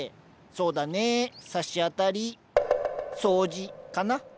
そうだねさしあたり掃除かな？